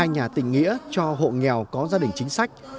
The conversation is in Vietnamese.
hai nhà tình nghĩa cho hộ nghèo có gia đình chính sách